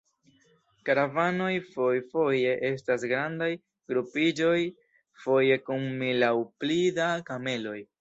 Karavanoj fojfoje estas grandaj grupiĝoj, foje kun mil aŭ pli da kameloj.